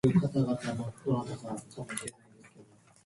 米国留学中、授業内プレゼンで内容が理解されず笑われた経験がある。